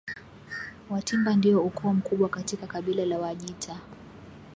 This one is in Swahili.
Watimba ndio ukoo mkubwa katika kabila la Wajita